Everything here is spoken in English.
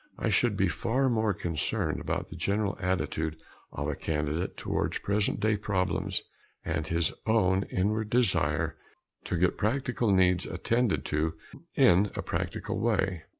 I should be far more concerned about the general attitude of a candidate towards present day problems and his own inward desire to get practical needs attended to in a practical way.